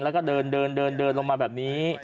แล้วก็เดินเดินลงมาแบบนี้